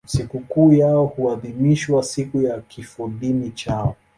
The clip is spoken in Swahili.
Sikukuu yao huadhimishwa siku ya kifodini chao.